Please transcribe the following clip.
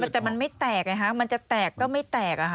แต่มันไม่แตกค่ะจะแตกจะไม่แตก